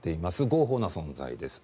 合法な存在です。